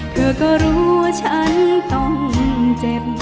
เธอก็รู้ว่าฉันต้องเจ็บ